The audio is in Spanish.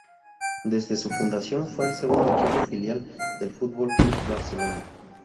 Desde su fundación fue el segundo equipo filial del Fútbol Club Barcelona.